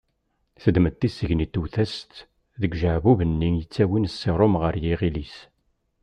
Teddem-d tisegnit tewwet-as-tt deg ujeɛbub-nni i yettawin ssirum ɣer yiɣil-is.